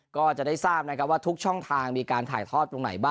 ก็จะได้ทราบนะครับว่าทุกช่องทางมีการถ่ายทอดตรงไหนบ้าง